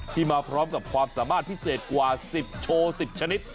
มาพร้อมกับความสามารถพิเศษกว่า๑๐โชว์๑๐ชนิด